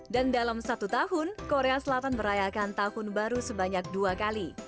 dan dalam satu tahun korea selatan merayakan tahun baru sebanyak dua kali